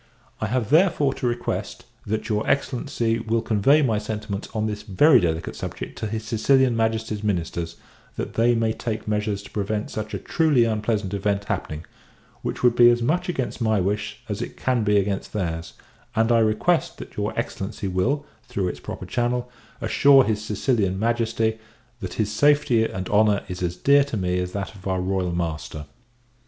I have, therefore, to request, that your Excellency will convey my sentiments on this very delicate subject to his Sicilian Majesty's ministers, that they may take measures to prevent such a truly unpleasant event happening; which would be as much against my wish as it can be against their's: and I request that your Excellency will, through its proper channel, assure his Sicilian Majesty, that his safety and honour is as dear to me as that of our Royal Master.